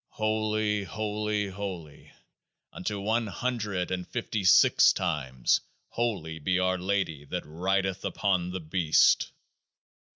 Holy, holy, holy, unto One Hundred and Fifty Six times holy be OUR LADY that rideth upon THE BEAST